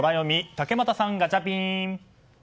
竹俣さん、ガチャピン！